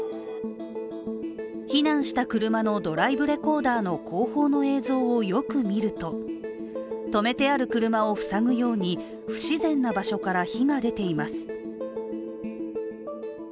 避難した車のドライブレコーダーの後方の映像をよく見ると止めてある車を塞ぐように不自然な場所から火が出ています。